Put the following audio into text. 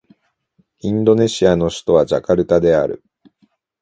インドネシアの首都はジャカルタである